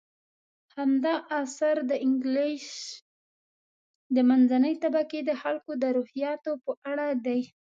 هغه اثر د انګلیس د منځنۍ طبقې د خلکو د روحیاتو په اړه دی.